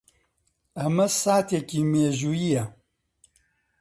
ئەمە ساتێکی مێژوویییە.